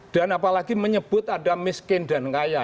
dan apalagi menyebut ada miskin dan kaya